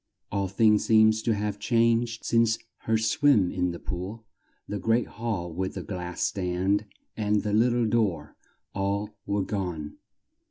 All things seemed to have changed since her swim in the pool; the great hall with the glass stand and the lit tle door all were gone.